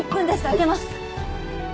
開けます。